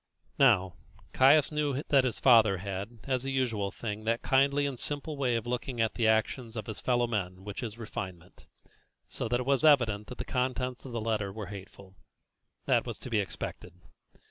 Now, Caius knew that his father had, as a usual thing, that kindly and simple way of looking at the actions of his fellow men which is refinement, so that it was evident that the contents of the letter were hateful. That was to be expected.